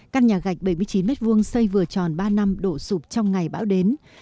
căn nhà gạch bảy mươi chín m hai xây vừa tròn ba năm đổ sụp trong ngày bão đến